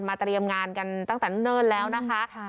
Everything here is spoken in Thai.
เตรียมงานกันตั้งแต่เนิ่นแล้วนะคะ